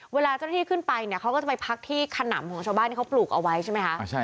เวลาเจ้าหน้าที่ขึ้นไปเนี่ยเขาก็จะไปพักที่ขนำของชาวบ้านที่เขาปลูกเอาไว้ใช่ไหมคะ